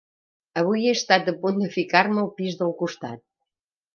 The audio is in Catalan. Avui he estat a punt de ficar-me al pis del costat.